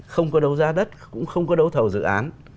không có đấu giá đất cũng không có đấu thầu dự án